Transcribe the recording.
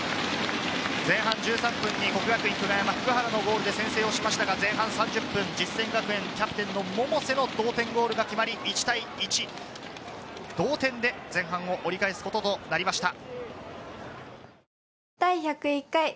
前半１３分に國學院久我山、普久原のゴールで先制をしましたが、前半３０分、実践学園、キャプテンの百瀬の同点ゴールが決まり、１対１の同点で前半を折り返すこととなりました。